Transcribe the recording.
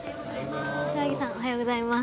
柏木さんおはようございます。